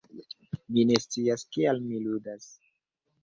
Mi ne scias kial mi ludas